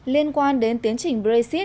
liên quan đến tiến trình brexit